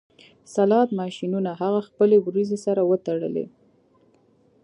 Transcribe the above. سلاټ ماشینونه هغه خپلې وروځې سره وتړلې